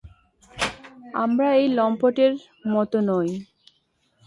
আমরা এই লম্পটের মত নই।